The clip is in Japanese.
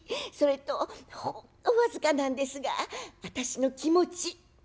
それとほんの僅かなんですが私の気持ち。